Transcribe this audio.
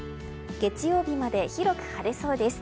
月曜日まで広く晴れそうです。